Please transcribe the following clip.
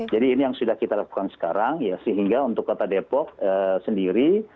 jadi ini yang sudah kita lakukan sekarang sehingga untuk kota depok sendiri